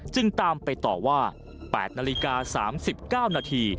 จึงตามไปต่อว่า๘นาฬิกา๓๙นาที